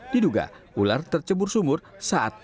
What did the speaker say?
diduga ular tercebur sumur saat